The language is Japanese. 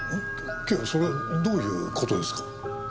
警部それはどういう事ですか？